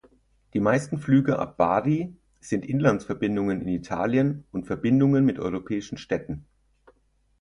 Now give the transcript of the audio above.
Die meisten Flüge ab Bari sind Inlandsverbindungen in Italien und Verbindungen mit europäischen Städten.